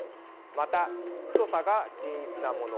また、太さが均一なもの。